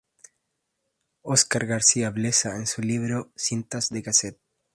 Óscar García Blesa en su libro "Cintas de cassette.